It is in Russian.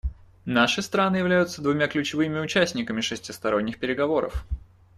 Наши страны являются двумя ключевыми участниками шестисторонних переговоров.